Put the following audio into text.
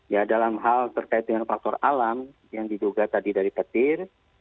ya dalam hal terkait dengan faktor alam yang diduga tadi dari petir